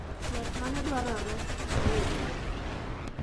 Yath maneduarore okyudre